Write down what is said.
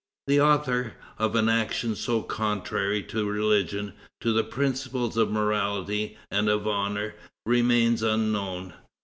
The author, of an action so contrary to religion, to the principles of morality and of honor, remains unknown.